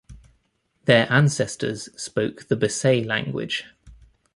Their ancestors spoke the Basay language.